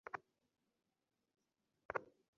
Margaret, full power দাও।